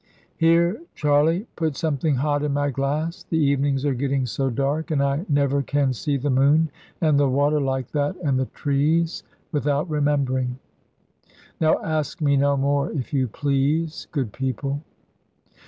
Here, Charley, put something hot in my glass; the evenings are getting so dark; and I never can see the moon and the water, like that, and the trees, without remembering. Now ask me no more, if you please, good people."